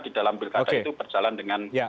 di dalam pilkada itu berjalan dengan